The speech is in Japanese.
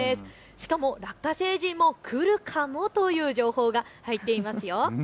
しかもラッカ星人も来るかもという情報が入っていますよ。